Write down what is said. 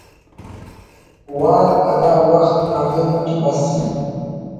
وار ہرا وخت کاریم اٹ بس